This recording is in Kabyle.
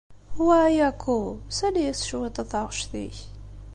Wa Ayako, sali-as cwiṭ i taɣect-ik.